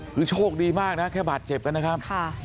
คือโชคดีมากนะแค่บาดเจ็บกันนะครับ